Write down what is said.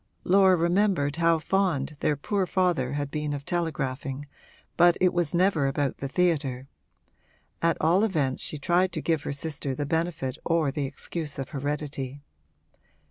Laura remembered how fond their poor father had been of telegraphing, but it was never about the theatre: at all events she tried to give her sister the benefit or the excuse of heredity.